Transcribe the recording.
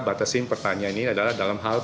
batasin pertanyaan ini adalah dalam hal